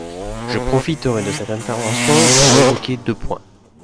Je profiterai de cette intervention pour évoquer deux points.